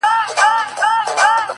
o ه په سندرو کي دي مينه را ښودلې ـ